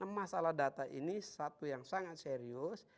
masalah data ini satu yang sangat serius